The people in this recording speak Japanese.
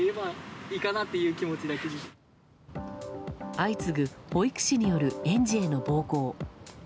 相次ぐ保育士による園児への暴行。